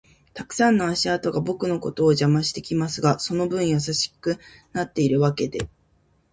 たくさんの足跡が僕のことを邪魔してきますが、その分優しくなってるわけで